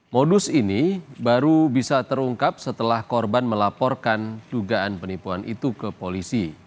modus ini baru bisa terungkap setelah korban melaporkan dugaan penipuan itu ke polisi